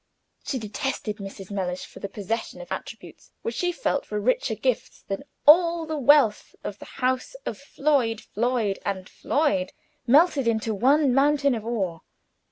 She detested Mrs. Mellish for the possession of attributes which she felt were richer gifts than all the wealth of the house of Floyd, Floyd, and Floyd, melted into one mountain of ore.